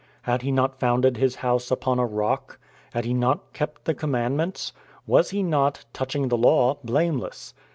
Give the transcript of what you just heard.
Had he not founded his house upon a rock? Had he not kept the Commandments? Was he not, "touching the law, blameless"?